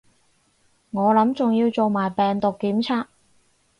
我諗仲要做埋病毒檢測